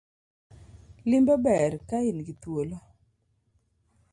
Limbe ber ka ingi thuolo